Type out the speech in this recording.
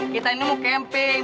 kita ini mau camping